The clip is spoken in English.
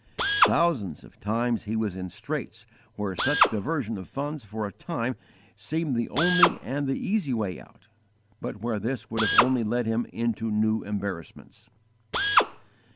Thousands of times he was in straits where such diversion of funds for a time seemed the only and the easy way out, but where this would only have led him into new embarrassments.